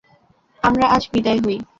আমরা আজ বিদায় হই।